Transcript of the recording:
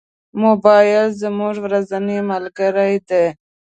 موبایل زموږ ورځنی ملګری دی.